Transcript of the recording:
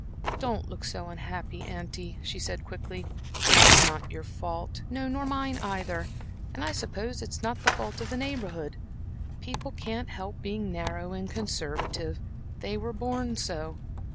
"Don't look so unhappy, auntie," she said, quickly. "It's not your fault no, nor mine either; and, I suppose, it's not the fault of the Neighborhood. People can't help being narrow and conservative; they were born so.